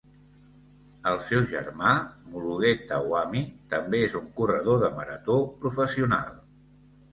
El seu germà, Mulugeta Wami, també és un corredor de marató professional.